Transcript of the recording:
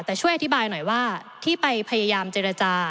แต่ช่วยอธิบายหน่อยว่าที่ไปพยายามเจรจา